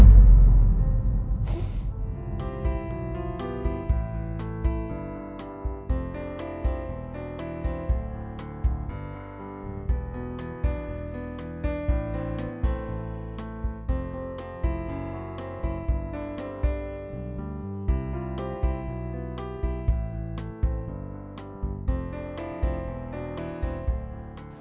detik pandi itu